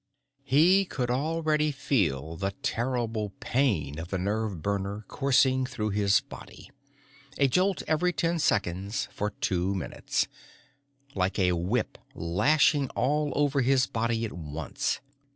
He could already feel the terrible pain of the nerve burner coursing through his body a jolt every ten seconds for two minutes, like a whip lashing all over his body at once.